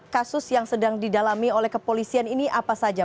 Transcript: kasus yang sedang didalami oleh kepolisian ini apa saja